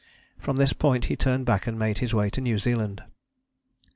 From this point he turned back and made his way to New Zealand.